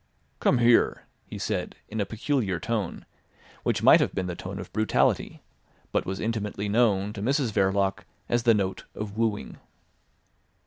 "Come here," he said in a peculiar tone, which might have been the tone of brutality, but was intimately known to Mrs Verloc as the note of wooing.